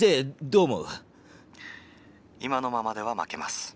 「今のままでは負けます。